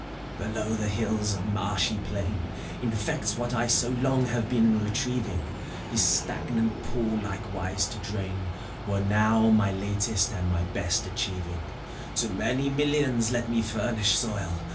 FAUST. Below the hills a marshy plain Infects what I so long have been retrieving; This stagnant pool likewise to drain ^ere now my latest and my best achieving. To many millions let me furnish soil.